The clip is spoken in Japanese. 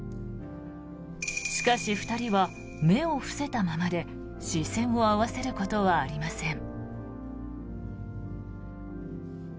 しかし、２人は目を伏せたままで視線を合わせることはありません。